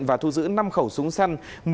và thu giữ năm khẩu súng săn